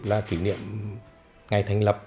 là kỷ niệm ngày thành lập